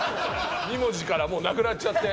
２文字からもうなくなっちゃって。